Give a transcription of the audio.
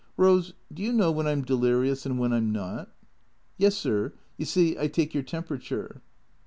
" Eose, do you know when I 'm delirious and when I 'm not?" " Yes, sir. You see, I take your temperature."